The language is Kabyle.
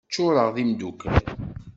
Ččureɣ d imeddukal.